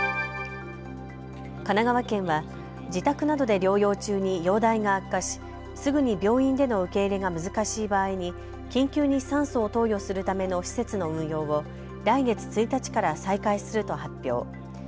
神奈川県は自宅などで療養中に容体が悪化しすぐに病院での受け入れが難しい場合に緊急に酸素を投与するための施設の運用を来月１日から再開すると発表。